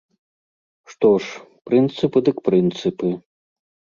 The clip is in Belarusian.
Што ж, прынцыпы дык прынцыпы.